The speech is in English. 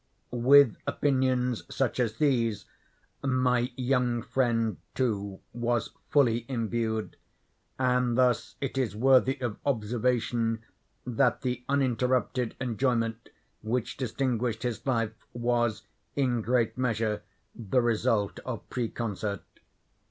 With opinions such as these my young friend, too, was fully imbued, and thus it is worthy of observation that the uninterrupted enjoyment which distinguished his life was, in great measure, the result of preconcert.